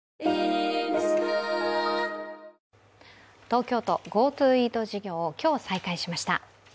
東京都、ＧｏＴｏイート事業を今日再開しました。